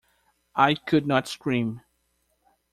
I could not scream.